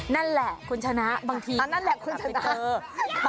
อ๋อนั่นแหละคุณชนะบางทีจะไปเจอ